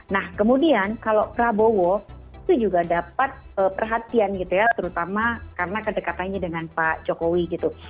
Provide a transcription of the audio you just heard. nah kemudian kalau prabowo itu juga dapat perhatian gitu ya terutama karena kedekatannya dengan pak jokowi gitu